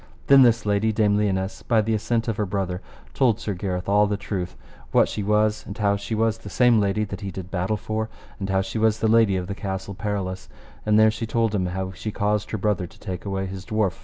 Then this lady, Dame Lionesse, by the assent of her brother, told Sir Gareth all the truth what she was, and how she was the same lady that he did battle for, and how she was lady of the Castle Perilous, and there she told him how she caused her brother to take away his dwarf.